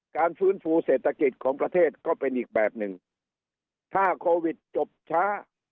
การฟื้นฟูเศรษฐกิจของประเทศก็เป็นอีกแบบหนึ่งถ้าโควิดจบช้า